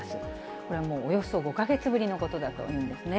これはもうおよそ５か月ぶりのことだというんですね。